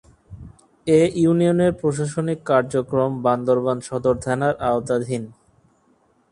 এ ইউনিয়নের প্রশাসনিক কার্যক্রম বান্দরবান সদর থানার আওতাধীন।